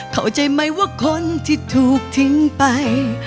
เข้าใจไหมว่าคนที่ถูกทิ้งไป